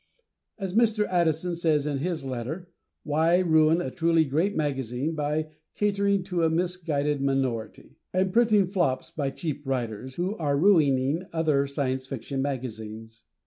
As Mr. Addison says in his letter, "Why ruin a truly great magazine by catering to a misguided minority?" and printing flops by cheap writers, who are ruining other Science Fiction magazines?